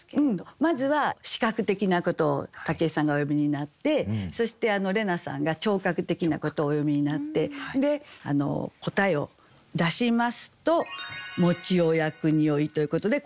まずは視覚的なことを武井さんがお詠みになってそして怜奈さんが聴覚的なことをお詠みになってで答えを出しますと「を焼く匂ひ」ということでこれは嗅覚なんですね。